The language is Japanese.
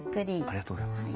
ありがとうございます。